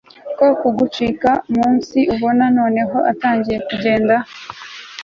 ko kugica munsi ubona noneho atangiye kugenda